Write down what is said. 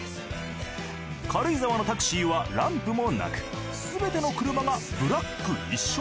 軽井沢のタクシーはランプもなくすべての車がブラック一色。